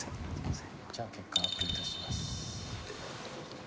・じゃあ結果発表いたします・・